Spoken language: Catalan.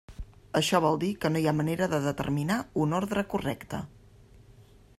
Això vol dir que no hi ha manera de determinar un ordre correcte.